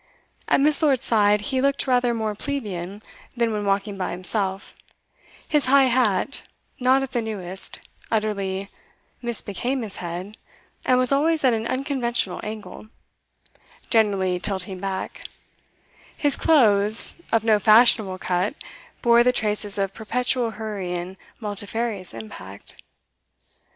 At Miss. Lord's side he looked rather more plebeian than when walking by himself; his high hat, not of the newest, utterly misbecame his head, and was always at an unconventional angle, generally tilting back; his clothes, of no fashionable cut, bore the traces of perpetual hurry and multifarious impact.